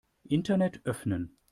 Internet öffnen.